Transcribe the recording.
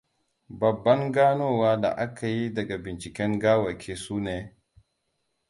Babban ganowa da aka yi daga binciken gawaki sune: